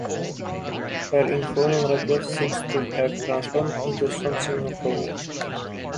Her informal request seems to have transformed into something formal.